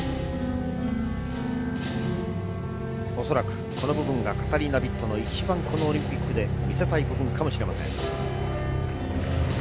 恐らくこの部分がカタリナビットの一番このオリンピックで見せたい部分かもしれません。